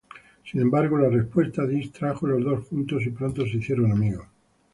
Sin embargo, la respuesta "diss" trajo los dos juntos y pronto se hicieron amigos.